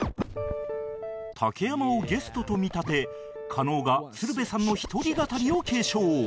竹山をゲストと見立て加納が鶴瓶さんの１人語りを継承